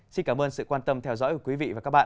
xin cảm ơn sự quan tâm theo dõi của quý vị và các bạn